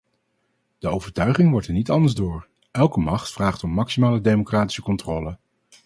De overtuiging wordt er niet anders door, elke macht vraagt om maximale democratische controle.